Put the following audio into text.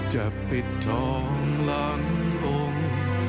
จะปิดทองหลังองค์